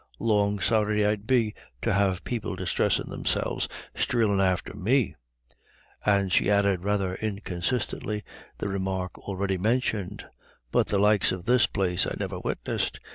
Long sorry I'd be to have people disthressin' themselves streelin' after me." And she added, rather inconsistently, the remark already mentioned: "But the likes of this place I never witnessed.